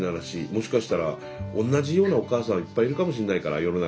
もしかしたら同じようなお母さんいっぱいいるかもしんないから世の中に。